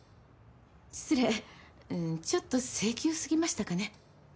失礼ちょっと性急過ぎましたかね。